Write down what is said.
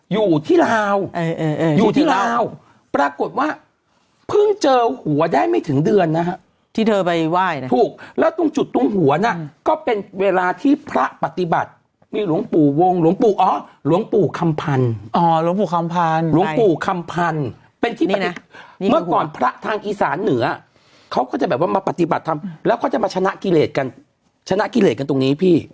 อยู่ที่ลาวอยู่ที่ลาวปรากฏว่าเพิ่งเจอหัวได้ไม่ถึงเดือนนะฮะที่เธอไปไหว้นะถูกแล้วตรงจุดตรงหัวน่ะก็เป็นเวลาที่พระปฏิบัติมีหลวงปู่วงหลวงปู่อ๋อหลวงปู่คำพันธ์อ๋อหลวงปู่คำพันธ์หลวงปู่คำพันธ์เป็นที่ปฏิบัติเมื่อก่อนพระทางอีสานเหนือเขาก็จะแบบว่ามาปฏิบัติธรรมแล้วก็จะมาชนะกิเลสกันชนะกิเลสกันตรงนี้พี่